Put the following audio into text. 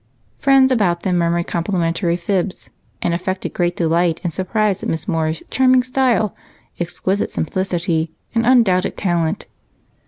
Friends about them murmured complimentary fibs and affected great delight and surprise at Miss Moore's "charming style," "exquisite simplicity," and "undoubted talent."